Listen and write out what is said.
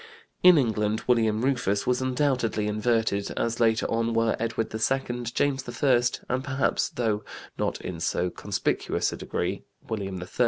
In England William Rufus was undoubtedly inverted, as later on were Edward II, James I, and, perhaps, though not in so conspicuous a degree, William III.